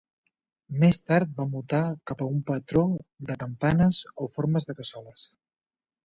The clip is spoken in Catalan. Més tard va mutar cap a un patró de campanes o formes de cassoles.